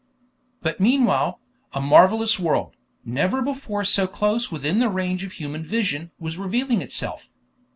But meanwhile, a marvelous world, never before so close within the range of human vision, was revealing itself.